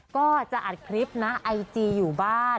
ก็จะอัดคลิปนะไอจีอยู่บ้าน